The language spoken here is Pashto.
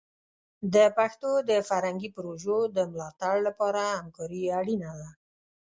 د پښتو د فرهنګي پروژو د ملاتړ لپاره همکاري اړینه ده.